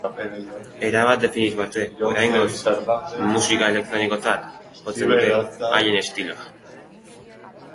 Erabat definitu arte, oraingoz, musika elektronikotzat jotzen dute haien estiloa.